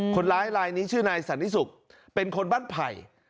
คนร้ายลายนี้ชื่อนายสันนิสุกเป็นคนบ้านไผ่